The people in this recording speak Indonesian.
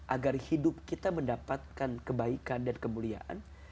agar hidup kita mendapatkan kebaikan dan kemuliaan